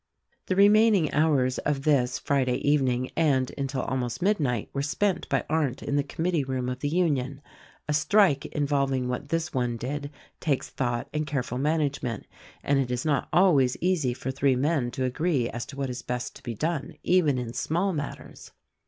The remaining hours of this, Friday evening, and until almost midnight, were spent by Arndt in the committee room of the Union. A strike involving what this one did takes thought and careful management, and it is not always easy for three men to agree as to what is best to be done, even in small matters.